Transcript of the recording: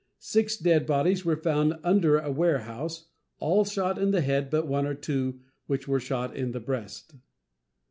Six dead bodies were found under a warehouse, all shot in the head but one or two, which were shot in the breast.